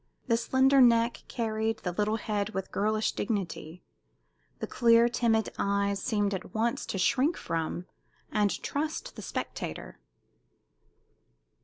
The slender neck carried the little head with girlish dignity; the clear, timid eyes seemed at once to shrink from and trust the spectator.